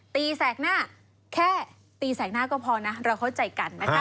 แสกหน้าแค่ตีแสกหน้าก็พอนะเราเข้าใจกันนะคะ